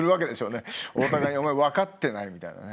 お互いに「分かってない」みたいなね